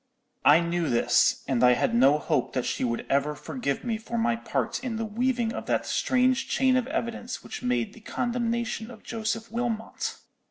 I knew this, and I had no hope that she would ever forgive me for my part in the weaving of that strange chain of evidence which made the condemnation of Joseph Wilmot.